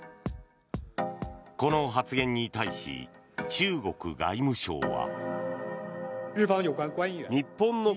この発言に対し中国外務省は。